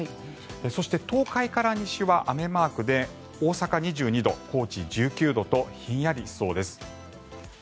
そして、東海から西は雨マークで大阪２２度、高知１９度とひんやりしそうです。